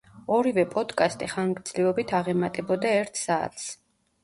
ორივე პოდკასტი ხანგრძლივობით აღემატებოდა ერთ საათს.